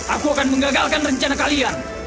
aku akan menggagalkan rencana kalian